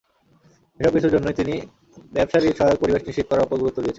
এসব কিছুর জন্য তিনি ব্যবসা-সহায়ক পরিবেশ নিশ্চিত করার ওপর গুরুত্ব দিয়েছেন।